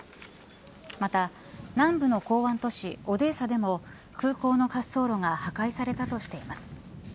また、南部の港湾都市オデーサでも空港の滑走路が破壊されたとしています。